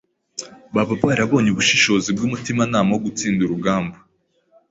baba barabonye ubushobozi bw’umutimanama wo gutsinda urugamba